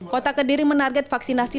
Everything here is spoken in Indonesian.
kota kediri menarget vaksinasi